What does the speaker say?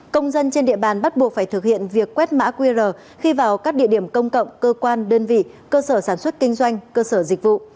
công dân trên địa bàn bắt buộc phải thực hiện việc quét mã qr khi vào các địa điểm công cộng cơ quan đơn vị cơ sở sản xuất kinh doanh cơ sở dịch vụ